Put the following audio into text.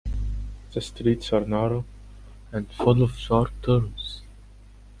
The streets are narrow and full of sharp turns.